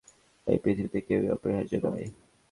এই পৃথিবীতে কেউই অপরিহার্য নয়।